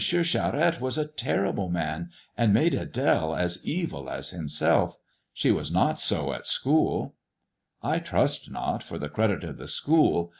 Charette was a terrible mau, and made Ad^le as evil as himself. She was not' 80 at school." " I trust not, for the credit' of the school.